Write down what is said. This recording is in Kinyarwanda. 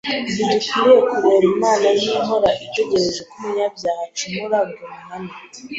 Ntidukwiriye kureba Imana nk’ihora itegereje ko umunyabyaha acumura ngo imuhane.